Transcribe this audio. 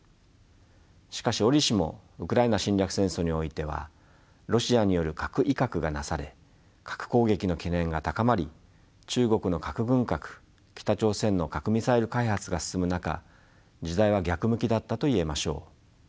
しかし折しもウクライナ侵略戦争においてはロシアによる核威嚇がなされ核攻撃の懸念が高まり中国の核軍拡北朝鮮の核ミサイル開発が進む中時代は逆向きだったと言えましょう。